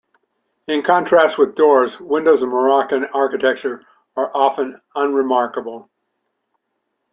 In contrast with doors, windows in Moroccan architecture are often unremarkable.